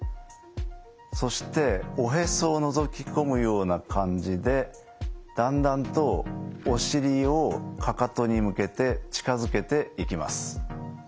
そしておへそをのぞき込むような感じでだんだんとお尻をかかとに向けて近づけていきます。